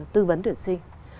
tư vấn tuyển sinh